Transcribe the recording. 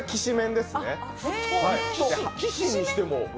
きしにしても。